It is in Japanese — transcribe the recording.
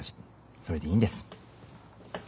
それでいいんです。